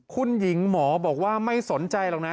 คุณหญิงหมอบอกว่าไม่สนใจหรอกนะ